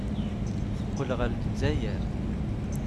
Teqqel ɣer Lezzayer.